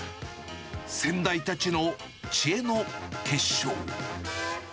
先代たちの知恵の結晶。